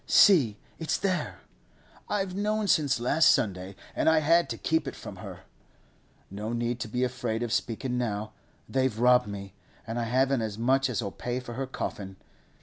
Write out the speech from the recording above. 'See, it's there. I've known since last Sunday, and I had to keep it from her. No need to be afraid of speakin' now. They've robbed me, and I haven't as much as'll pay for her coffin.